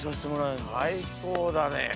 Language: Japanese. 最高だね。